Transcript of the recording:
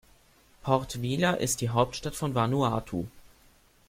Port Vila ist die Hauptstadt von Vanuatu.